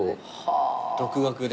独学で。